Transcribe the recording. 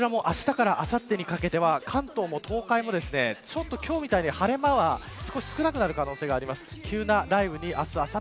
こちらもあしたから、あさってにかけては関東も東海も今日みたいに晴れ間は、少し少なくなる可能性があります。